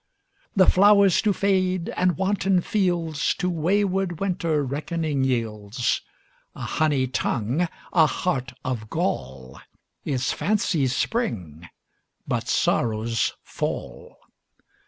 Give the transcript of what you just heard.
The flowers do fade, and wanton fieldsTo wayward Winter reckoning yields:A honey tongue, a heart of gall, Is fancy's spring, but sorrow's fall.